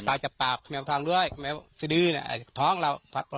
เป่าออกจากปากแหมวท้องด้วยแหมวซื้อดื้อแหมวท้องเรา